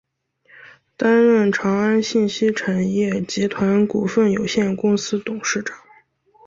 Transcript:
担任长安信息产业集团股份有限公司董事长。